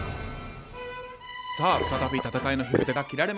さあ再び戦いの火ぶたが切られました。